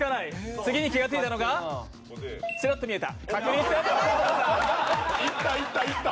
次に気がついたのがちらっと見えた。